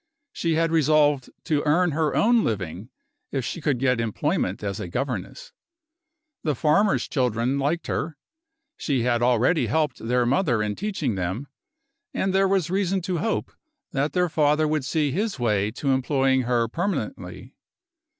She had resolved to earn her own living, if she could get employment as a governess. The farmer's children liked her; she had already helped their mother in teaching them; and there was reason to hope that their father would see his way to employing her permanently.